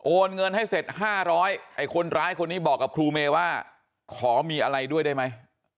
เงินให้เสร็จ๕๐๐ไอ้คนร้ายคนนี้บอกกับครูเมย์ว่าขอมีอะไรด้วยได้ไหม